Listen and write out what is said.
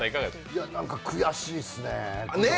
悔しいっすね。